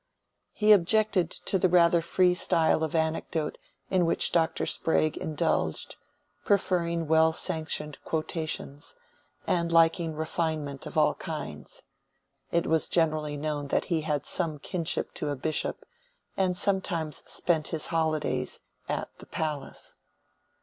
He objected to the rather free style of anecdote in which Dr. Sprague indulged, preferring well sanctioned quotations, and liking refinement of all kinds: it was generally known that he had some kinship to a bishop, and sometimes spent his holidays at "the palace."